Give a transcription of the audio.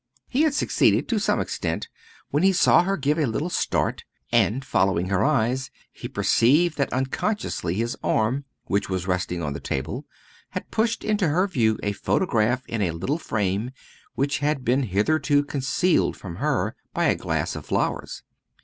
He had succeeded to some extent, when he saw her give a little start, and following her eyes he perceived that unconsciously his arm, which was resting on the table, had pushed into her view a photograph in a little frame, which had been hitherto concealed from her by a glass of flowers.